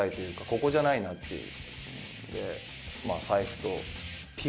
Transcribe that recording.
ここじゃないなっていう。